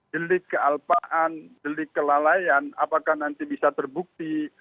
delik kealpaan delik kelalaian apakah nanti bisa terbukti